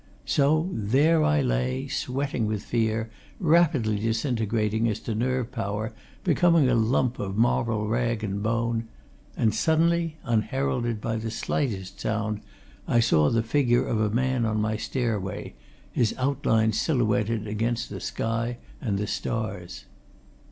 So there I lay, sweating with fear, rapidly disintegrating as to nerve power, becoming a lump of moral rag and bone and suddenly, unheralded by the slightest sound, I saw the figure of a man on my stairway, his outline silhouetted against the sky and the stars.